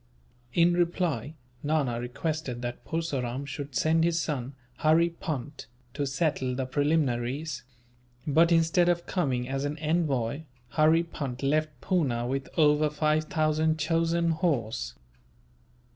In reply, Nana requested that Purseram should send his son, Hurry Punt, to settle the preliminaries; but instead of coming as an envoy, Hurry Punt left Poona with over five thousand chosen horse.